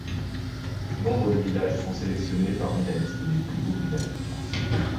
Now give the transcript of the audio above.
Nombre des villages sont sélectionnés parmi la liste des Plus Beaux Villages de France.